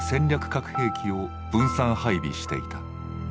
核兵器を分散配備していた。